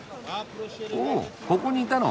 おここにいたの。